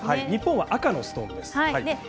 日本は赤のストーンです。